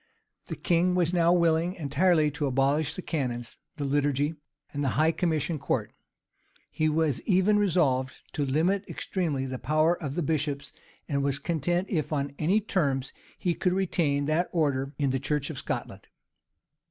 The king was now willing entirely to abolish the canons, the liturgy, and the high commission court. He was even resolved to limit extremely the power of the bishops, and was content if on any terms he could retain that order in the church of Scotland.